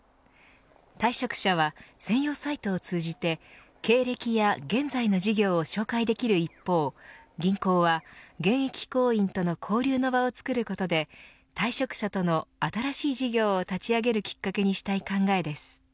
退職者は専用サイトを通じて経歴や現在の事業を紹介できる一方銀行は現役行員との交流の場を作ることで退職者との新しい事業を立ち上げるきっかけにしたい考えです。